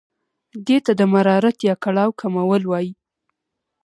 دې ته د مرارت یا کړاو کمول وايي.